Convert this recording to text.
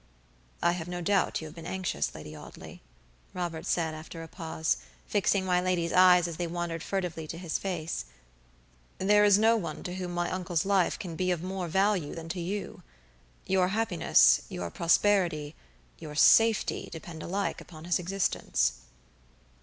"I have no doubt you have been anxious, Lady Audley," Robert said, after a pause, fixing my lady's eyes as they wandered furtively to his face. "There is no one to whom my uncle's life can be of more value than to you. Your happiness, your prosperity, your safety depend alike upon his existence."